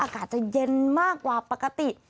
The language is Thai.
อากาศจะเย็นมากกว่าปกติ